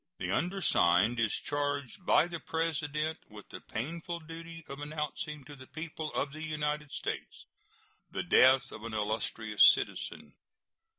The undersigned is charged by the President with the painful duty of announcing to the people of the United States the death of an illustrious citizen.